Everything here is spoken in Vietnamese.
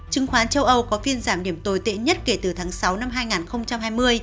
chứng khoán châu âu có phiên giảm điểm tồi tệ nhất kể từ tháng sáu năm hai nghìn hai mươi